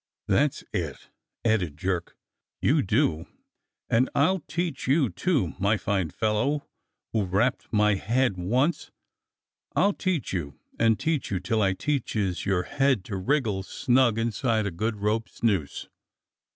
^'That's it!" added Jerk. "You do, and I'll teach you, too, my fine fellow, who rapped my head once. I'll teach you and teach you till I teaches your head to wriggle snug inside a good rope's noose."